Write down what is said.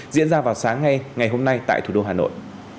diễn ra vào sáng nay ngày hôm nay tại thủ đô hà nội